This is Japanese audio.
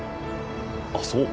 あっそう。